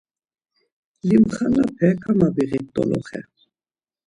Limxanape kamabiğit doloxe.